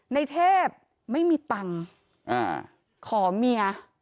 ในเทพไม่มีตังค์ขอเมีย